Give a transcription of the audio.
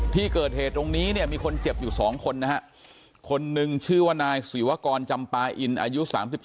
ที่เกิดเหตุตรงนี้เนี่ยมีคนเจ็บอยู่๒คนนะฮะคนหนึ่งชื่อว่านายศิวกรจำปาอินอายุ๓๒